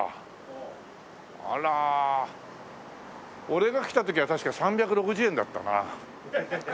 俺が来た時は確か３６０円だったな。